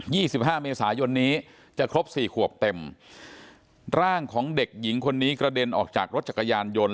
สิบห้าเมษายนนี้จะครบสี่ขวบเต็มร่างของเด็กหญิงคนนี้กระเด็นออกจากรถจักรยานยนต์